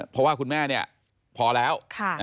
เพราะว่าคุณแม่พอแล้ว